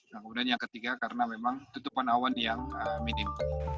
kemudian yang ketiga karena memang tutupan awan yang minim